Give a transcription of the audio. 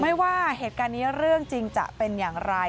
ไม่ว่าเหตุการณ์นี้เรื่องจริงจะเป็นอย่างไร